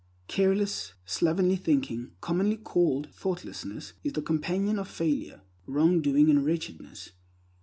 Careless, slovenly thinking, commonly called thoughtlessness, is the companion of failure, wrongdoing, and wretchedness.